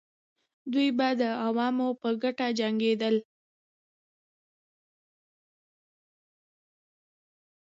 دوی به د عوامو په ګټه جنګېدل.